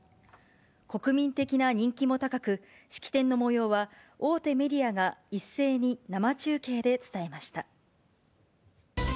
国民的な人気も高く、式典のもようは、大手メディアが一斉に生中継で伝えました。